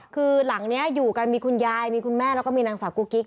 คือหลังนี้อยู่กันมีคุณยายมีคุณแม่แล้วก็มีนางสาวกุ๊กกิ๊ก